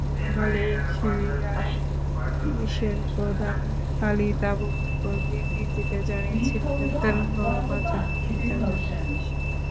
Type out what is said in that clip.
Malaysia পুলিশের প্রধান Khalid Abubakar বিবৃতিতে জানিয়েছেন, গ্রেপ্তার হওয়া পাঁচজনের মধ্যে চারজনই বিদেশি।